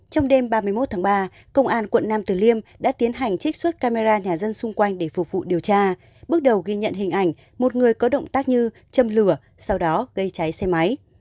trong đêm ba mươi một tháng ba công an quận nam tử liêm đã tiến hành trích xuất camera nhà dân xung quanh để phục vụ điều tra bước đầu ghi nhận hình ảnh một người có động tác như châm lửa sau đó gây cháy xe máy